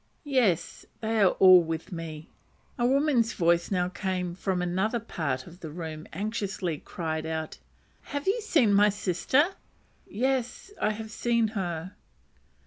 "Yes, they are all with me." A woman's voice now from another part of the room anxiously cried out "Have you seen my sister?" "Yes, I have seen her."